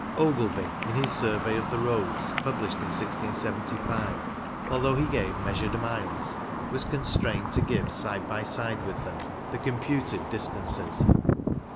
Ogilby, in his Survey of the Roads, published in 1675, although he gave measured miles, was constrained to give side by side with them the computed distances.